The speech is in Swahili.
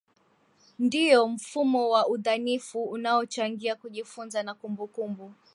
ndio mfumo wa udhanifu unaochangia kujifunza na kumbukumbu